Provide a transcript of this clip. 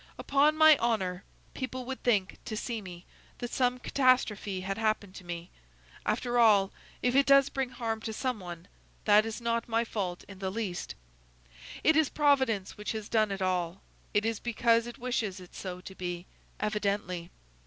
Upon my honor, people would think, to see me, that some catastrophe had happened to me! After all, if it does bring harm to some one, that is not my fault in the least: it is Providence which has done it all; it is because it wishes it so to be, evidently.